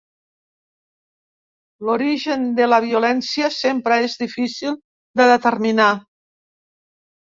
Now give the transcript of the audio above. L'origen de la violència sempre és difícil de determinar.